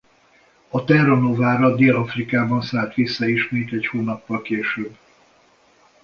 A Terra Novára Dél-Afrikában szállt vissza ismét egy hónappal később.